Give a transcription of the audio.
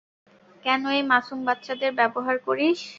কেন এই মাসুম বাচ্চাদের ব্যবহার করিস?